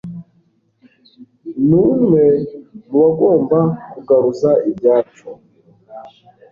ni umwe mu bagomba kugaruza ibyacu